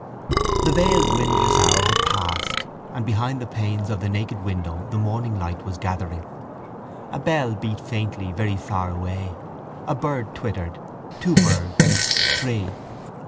The veiled windless hour had passed and behind the panes of the naked window the morning light was gathering. A bell beat faintly very far away. A bird twittered; two birds, three.